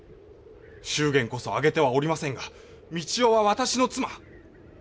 祝言こそ挙げてはおりませんが三千代は私の妻。